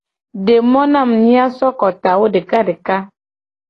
De mo na mu mia so kotawo deka deka.